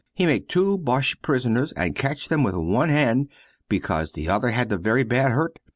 He make two boches prisoners and catch them with one hand because the other had the very bad hurt.